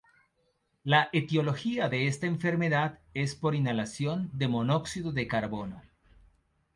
La etiología de esta enfermedad es por inhalación de monóxido de carbono.